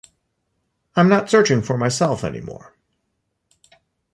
I’m not searching for myself anymore.